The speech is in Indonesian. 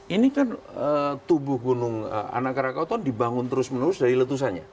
ini kan tubuh gunung anak rakau dibangun terus menerus dari letusannya